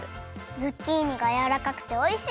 ズッキーニがやわらかくておいしい！